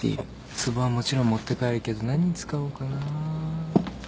つぼはもちろん持って帰るけど何に使おうかな。